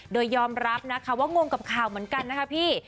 โดยยอมรับนะคะว่างงกับข่าวเหมือนกันนะคะพี่